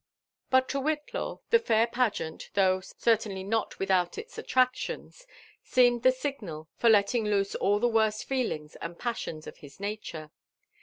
But to Whillaw the fair pageant, though certainly not without its allractions, seemed the signal for letting loose all the worst feelings and passions of his nature.